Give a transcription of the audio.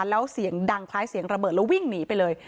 แล้วเสียงดังคล้ายเสียงระเบิดแล้ววิ่งหนีไปเลย